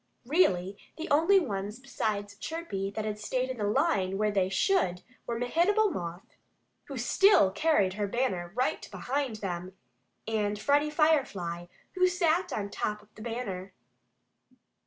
Really, the only ones besides Chirpy that had stayed in the line as they should were Mehitable Moth, who still carried her banner right behind him, and Freddie Firefly, who sat on top of the banner.